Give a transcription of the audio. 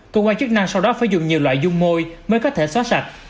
cơ quan chức năng sau đó phải dùng nhiều loại dung môi mới có thể xóa sạch